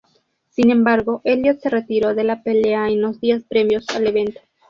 Sin embargo, Elliott se retiró de la pelea en los días previos al evento.